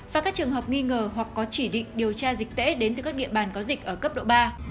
và các trường hợp nghi ngờ hoặc có chỉ định điều tra dịch tễ đến từ các địa bàn có dịch ở cấp độ ba